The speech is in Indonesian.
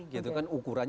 perbaikan saluran air